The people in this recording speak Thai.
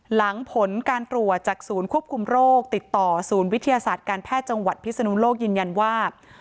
หลังผลการตรวจจากศูนย์ควบคุมโรคติดต่อศูนย์วิทยาศาสตร์การแพทย์จังหวัดพิศนุโลกยืนยันว่า